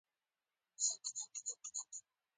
ځغاسته د وجود انعطاف زیاتوي